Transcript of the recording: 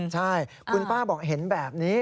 ใช่คุณป้าบอกเห็นแบบนี้